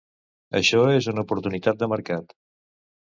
Això és una oportunitat de mercat.